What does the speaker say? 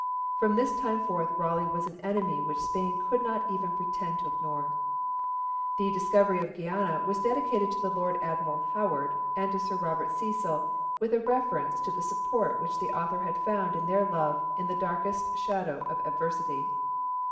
From this time forth Raleigh was an enemy which Spain could not even pretend to ignore. The Discovery of Guiana was dedicated to the Lord Admiral Howard and to Sir Robert Cecil, with a reference to the support which the author had found in their love 'in the darkest shadow of adversity.'